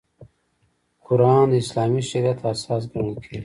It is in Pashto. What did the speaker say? قران د اسلامي شریعت اساس ګڼل کېږي.